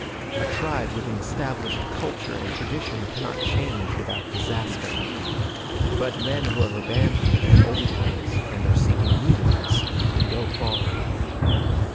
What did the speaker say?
A tribe with an established culture and tradition cannot change without disaster. But men who have abandoned their old ways and are seeking new ones can go far.